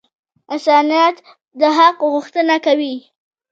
انسانیت د حق غوښتنه کوي.